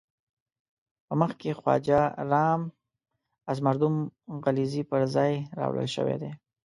په مخ کې خواجه رام از مردم غلزی پر ځای راوړل شوی دی.